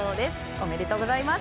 おめでとうございます。